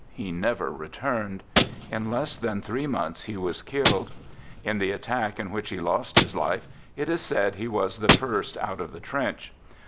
He never returned. In less than three months he was killed. In the attack in which he lost his life, it is said he was the first out of the trench.